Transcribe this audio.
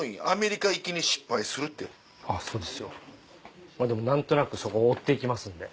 そうですよでも何となくそこを追っていきますんで。